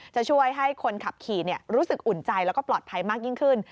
จะช่วยให้คนขับขี่รู้สึกอุ่นใจแล้วก็ปลอดภัยมากยิ่งขึ้น